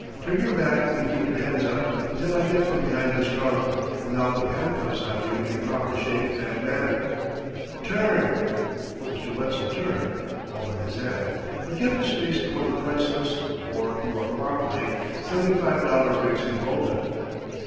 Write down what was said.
Turn your back and keep your hands up until I get from behind this trunk, and I'll put handcuffs on you in proper shape and manner. Turn!" Mr. Witzel turned all but his head. He kept his face toward the priceless (or, more properly) seventy five dollar Briggs & Bolton. "Mr.